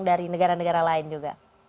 dari negara negara lain juga